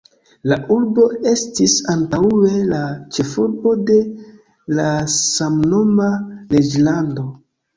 La urbo estis antaŭe la ĉefurbo de la samnoma reĝlando.